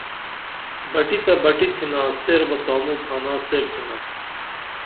بٹی تہ بٹی تِھنا سیر بہ تانوں تھانا سیریں تِھنا